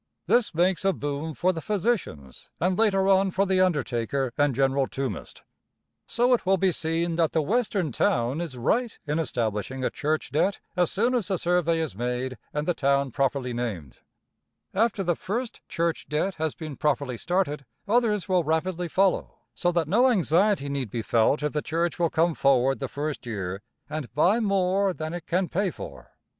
This makes a boom for the physicians and later on for the undertaker and general tombist. So it will be seen that the Western town is right in establishing a church debt as soon as the survey is made and the town properly named. After the first church debt has been properly started, others will rapidly follow, so that no anxiety need be felt if the church will come forward the first year and buy more than it can pay for. [Illustration: PUGILISM IN RELIGION.